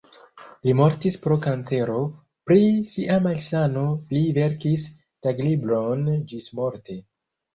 Li mortis pro kancero, pri sia malsano li verkis taglibron ĝismorte.